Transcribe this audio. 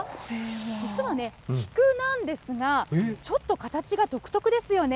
実はね、菊なんですが、ちょっと形が独特ですよね。